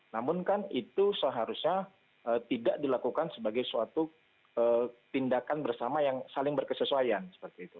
namun kan itu seharusnya tidak dilakukan sebagai suatu tindakan bersama yang saling berkesesuaian seperti itu